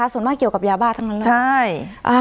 ส่วนมากเกี่ยวกับยาบ้าทั้งนั้นเลย